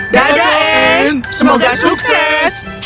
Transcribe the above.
dadah anne semoga sukses